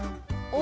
お！